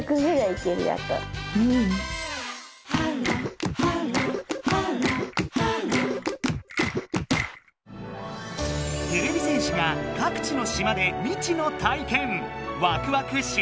てれび戦士が各地の島で未知の体験！